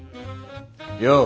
よう。